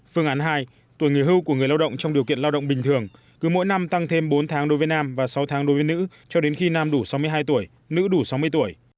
phương án hai tuổi nghỉ hưu của người lao động trong điều kiện lao động bình thường cứ mỗi năm tăng thêm bốn tháng đối với nam và sáu tháng đối với nữ cho đến khi nam đủ sáu mươi hai tuổi nữ đủ sáu mươi tuổi